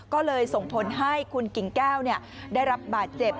ก็เลยส่งผลให้คุณกิ่งแก้วได้รับบาดเจ็บ